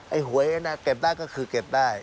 หวยนะเก็บได้ก็คือเก็บได้